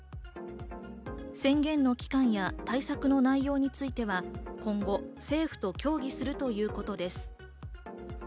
宣言の期間や対策の内容については今後、政府と協議するということです。